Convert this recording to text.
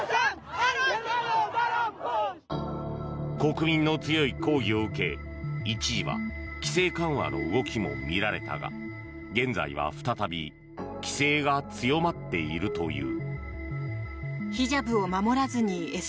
国民の強い抗議を受け一時は、規制緩和の動きも見られたが現在は再び規制が強まっているという。